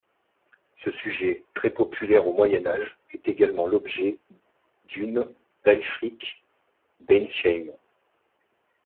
Ce sujet, très populaire au Moyen Âge, est également l'objet d'une d'Ælfric d'Eynsham.